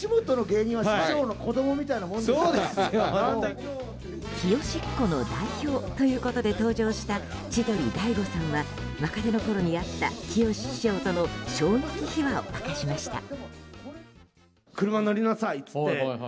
きよしっ子の代表ということで登場した千鳥・大悟さんは若手のころにあったきよし師匠との衝撃秘話を明かしました。